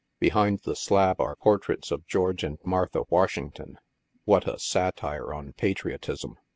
Behind the slab are portraits of George and Martha Washington (what a satire on patriotism